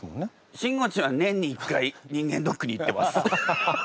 しんごちんは年に１回人間ドックに行ってます。